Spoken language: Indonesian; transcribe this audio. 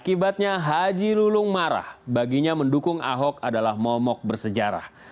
akibatnya haji lulung marah baginya mendukung ahok adalah momok bersejarah